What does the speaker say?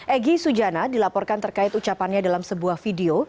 egy sujana dilaporkan terkait ucapannya dalam sebuah video